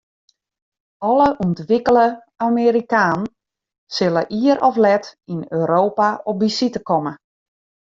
Alle ûntwikkele Amerikanen sille ier of let yn Europa op besite komme.